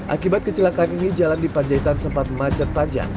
akibat kecelakaan ini jalan di panjaitan sempat macet panjang